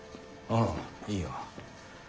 あぁいいよ。